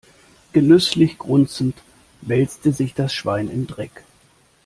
Genüsslich grunzend wälzte sich das Schwein im Dreck.